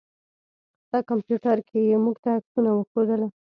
ستا کمپيوټر کې يې موږ ته عکسونه وښودله.